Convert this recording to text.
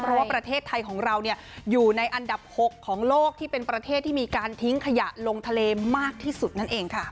เพราะว่าประเทศไทยของเราอยู่ในอันดับ๖ของโลกที่เป็นประเทศที่มีการทิ้งขยะลงทะเลมากที่สุดนั่นเองค่ะ